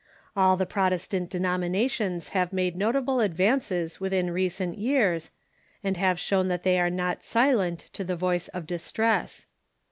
All the Protestant denominations have made notable advances within recent years, and have shown that they are not silent to the voice of distress.